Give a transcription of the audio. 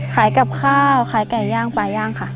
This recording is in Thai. ขายกับข้าวขายไก่ย่างปลาย่างค่ะ